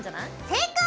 正解！